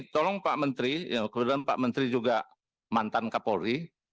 tolong pak menteri kebetulan pak menteri juga mantan kapolri